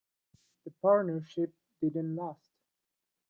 The partnership didn't last.